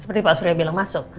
seperti pak surya bilang masuk